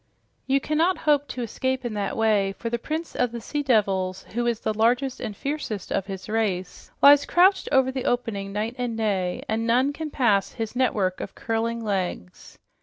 "You cannot hope to escape in that way, for the prince of the sea devils, who is the largest and fiercest of his race, lies crouched over the opening night and day, and none can pass his network of curling legs."